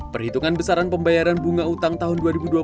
perhitungan besaran pembayaran bunga utang tahun dua ribu dua puluh